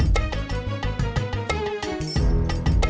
sewa realmos di mana